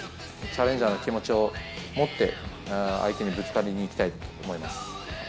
チャレンジャーの気持ちを持って、相手にぶつかりに行きたいと思います。